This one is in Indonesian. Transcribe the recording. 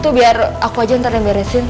itu biar aku aja ntar yang beresin